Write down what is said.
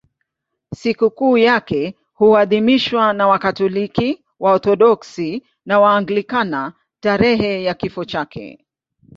Sikukuu yake huadhimishwa na Wakatoliki, Waorthodoksi na Waanglikana tarehe ya kifo chake.